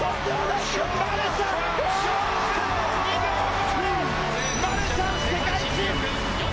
マルシャン、世界新！